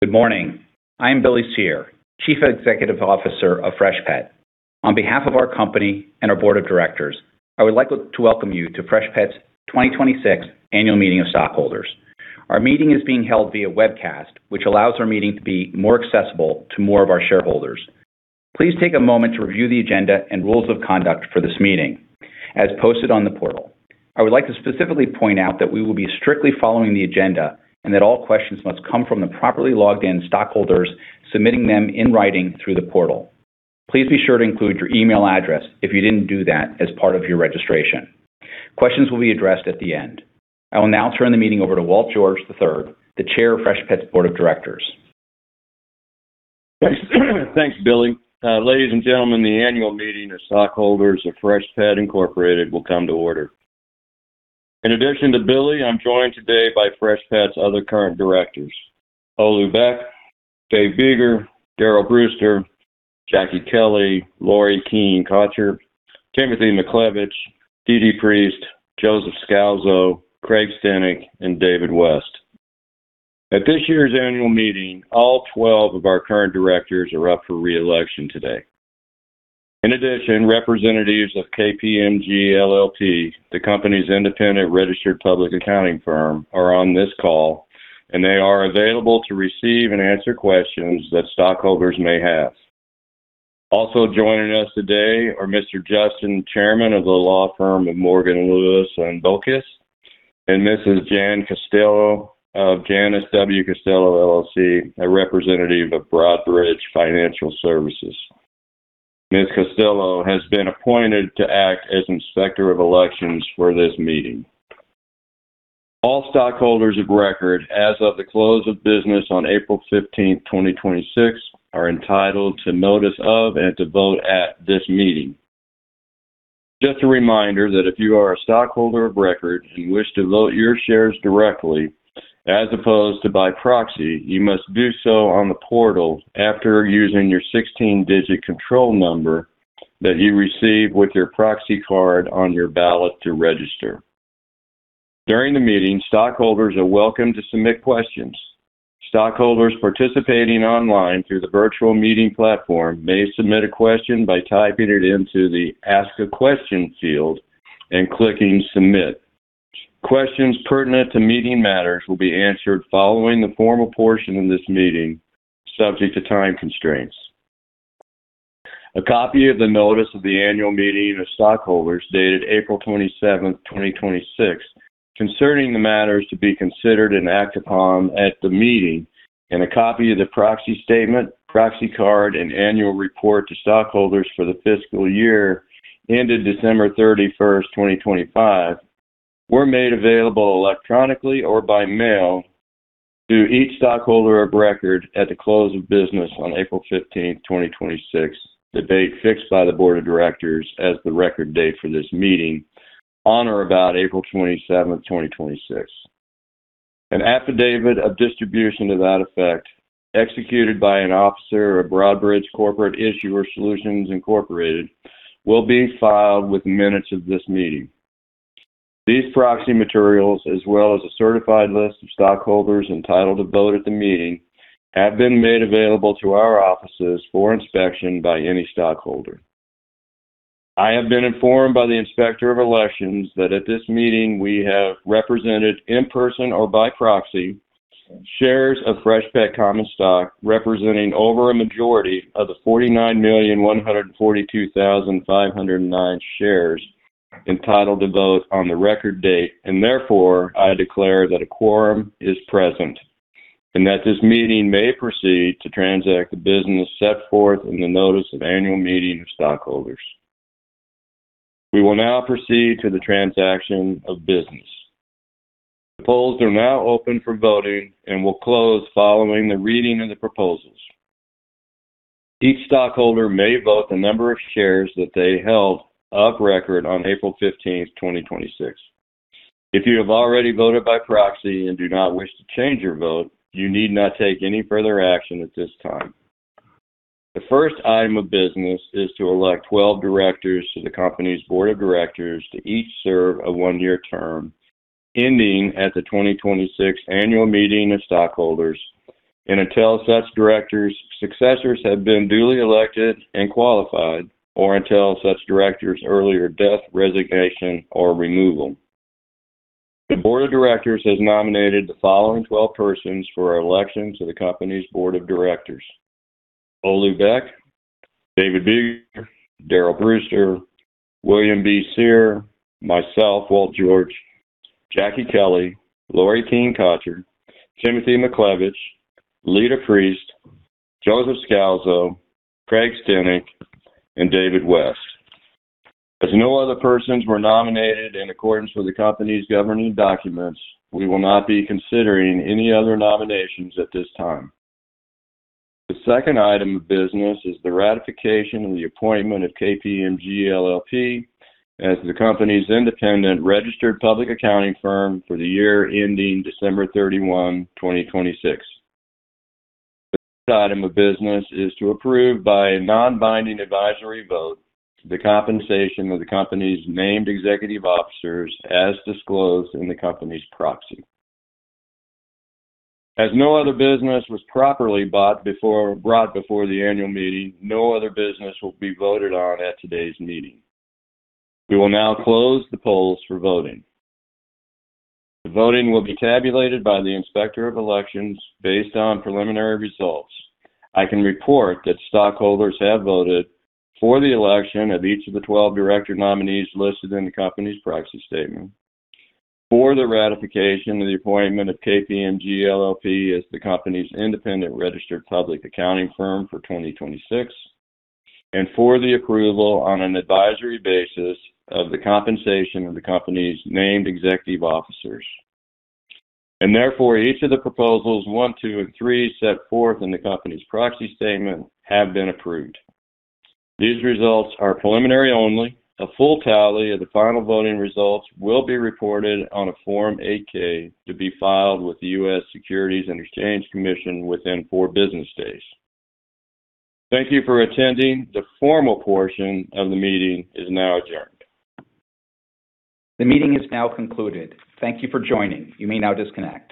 Good morning. I am Billy Cyr, Chief Executive Officer of Freshpet. On behalf of our company and our board of directors, I would like to welcome you to Freshpet's 2026 Annual Meeting of Stockholders. Our meeting is being held via webcast, which allows our meeting to be more accessible to more of our shareholders. Please take a moment to review the agenda and rules of conduct for this meeting, as posted on the portal. I would like to specifically point out that we will be strictly following the agenda, and that all questions must come from the properly logged-in stockholders, submitting them in writing through the portal. Please be sure to include your email address if you didn't do that as part of your registration. Questions will be addressed at the end. I will now turn the meeting over to Walt George III, the Chair of Freshpet's Board of Directors. Thanks, Billy. Ladies and gentlemen, the annual meeting of stockholders of Freshpet Incorporated will come to order. In addition to Billy, I'm joined today by Freshpet's other current directors, Olu Beck, David Biegger, Daryl Brewster, Jacki Kelley, Lauri Kien Kotcher, Timothy McLevish, Leta D. Priest, Joseph Scalzo, Craig Steeneck, and David West. At this year's annual meeting, all 12 of our current directors are up for re-election today. In addition, representatives of KPMG LLP, the company's independent registered public accounting firm, are on this call, and they are available to receive and answer questions that stockholders may have. Also joining us today are Mr. Justin, Chairman of the law firm of Morgan, Lewis & Bockius, and Jan Costello of Janice W. Costello LLC, a representative of Broadridge Financial Services. Ms. Costello has been appointed to act as Inspector of Elections for this meeting. All stockholders of record as of the close of business on April 15th, 2026, are entitled to notice of and to vote at this meeting. Just a reminder that if you are a stockholder of record and wish to vote your shares directly as opposed to by proxy, you must do so on the portal after using your 16-digit control number that you receive with your proxy card on your ballot to register. During the meeting, stockholders are welcome to submit questions. Stockholders participating online through the virtual meeting platform may submit a question by typing it into the Ask a Question field and clicking Submit. Questions pertinent to meeting matters will be answered following the formal portion of this meeting, subject to time constraints. A copy of the notice of the annual meeting of stockholders dated April 27th, 2026, concerning the matters to be considered and acted upon at the meeting, and a copy of the proxy statement, proxy card, and annual report to stockholders for the fiscal year ended December 31st, 2025, were made available electronically or by mail to each stockholder of record at the close of business on April 15th, 2026, the date fixed by the board of directors as the record date for this meeting, on or about April 27th, 2026. An affidavit of distribution to that effect, executed by an officer of Broadridge Corporate Issuer Solutions Incorporated, will be filed with minutes of this meeting. These proxy materials, as well as a certified list of stockholders entitled to vote at the meeting, have been made available to our offices for inspection by any stockholder. I have been informed by the Inspector of Elections that at this meeting we have represented, in-person or by proxy, shares of Freshpet common stock representing over a majority of the 49,142,509 shares entitled to vote on the record date. Therefore, I declare that a quorum is present and that this meeting may proceed to transact the business set forth in the notice of annual meeting of stockholders. We will now proceed to the transaction of business. The polls are now open for voting and will close following the reading of the proposals. Each stockholder may vote the number of shares that they held of record on April 15, 2026. If you have already voted by proxy and do not wish to change your vote, you need not take any further action at this time. The first item of business is to elect 12 directors to the company's board of directors to each serve a one-year term ending at the 2026 annual meeting of stockholders, and until such directors' successors have been duly elected and qualified, or until such directors' earlier death, resignation, or removal. The board of directors has nominated the following 12 persons for election to the company's board of directors: Olu Beck, David Biegger, Daryl Brewster, William B. Cyr, myself, Walt George, Jacki Kelley, Lauri Kien Kotcher, Timothy McLevish, Leta Priest, Joseph Scalzo, Craig Steeneck, and David West. As no other persons were nominated in accordance with the company's governing documents, we will not be considering any other nominations at this time. The second item of business is the ratification of the appointment of KPMG LLP as the company's independent registered public accounting firm for the year ending December 31, 2026. The third item of business is to approve by a non-binding advisory vote the compensation of the company's named executive officers as disclosed in the company's proxy. As no other business was properly brought before the annual meeting, no other business will be voted on at today's meeting. We will now close the polls for voting. The voting will be tabulated by the Inspector of Elections based on preliminary results. I can report that stockholders have voted for the election of each of the 12 director nominees listed in the company's proxy statement for the ratification of the appointment of KPMG LLP as the company's independent registered public accounting firm for 2026, and for the approval on an advisory basis of the compensation of the company's named executive officers. Therefore, each of the proposals one, two, and three set forth in the company's proxy statement have been approved. These results are preliminary only. A full tally of the final voting results will be reported on a Form 8-K to be filed with the U.S. Securities and Exchange Commission within four business days. Thank you for attending. The formal portion of the meeting is now adjourned. The meeting is now concluded. Thank you for joining. You may now disconnect.